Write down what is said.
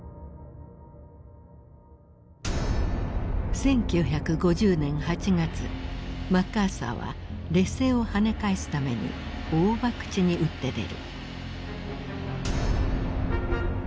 １９５０年８月マッカーサーは劣勢をはね返すために大ばくちに打って出る。